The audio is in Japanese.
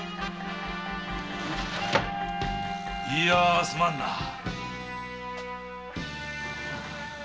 いやすまんな。